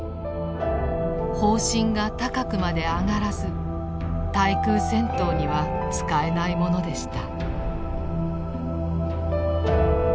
砲身が高くまで上がらず対空戦闘には使えないものでした。